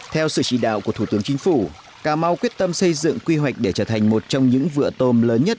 theo sự chỉ đạo của thủ tướng chính phủ cà mau quyết tâm xây dựng quy hoạch để trở thành một trong những vựa tôm lớn nhất